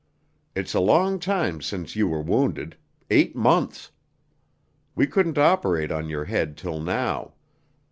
It's a long time since you were wounded: eight months. We couldn't operate on your head till now.